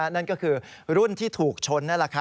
นั่นก็คือรุ่นที่ถูกชน